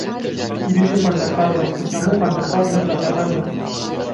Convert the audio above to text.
Bijî xwendekarino, hûn hemû xwendekarine behremend in!